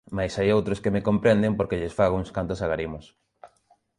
Mais hai outros que me comprenden porque lles fago uns cantos agarimos.